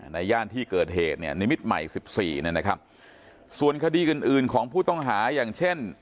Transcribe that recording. ย่านที่เกิดเหตุเนี่ยนิมิตรใหม่สิบสี่นะครับส่วนคดีอื่นอื่นของผู้ต้องหาอย่างเช่น